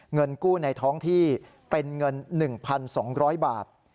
เงินกู้ในท้องที่เป็นเงิน๑๒๐๐บาท